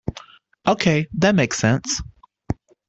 Ok, that makes sense.